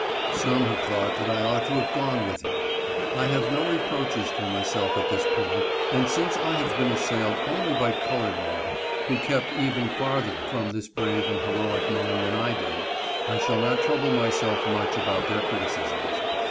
Some have thought that I ought to have gone with him ; but I have no reproaches for myself at this point, and since I have been assailed only by colored men who kept even farther from this brave and heroic man than I did, I shall not trouble myself much about their criticisms.